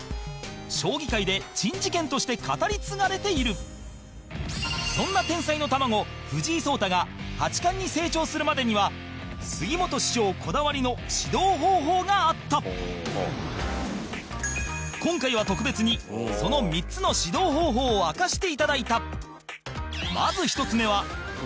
将棋界で珍事件として語り継がれているそんな天才の卵、藤井聡太が八冠に成長するまでには杉本師匠こだわりの指導方法があった今回は特別に、その３つの指導方法を明かしていただいた